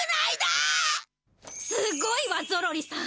すごいわゾロリさん！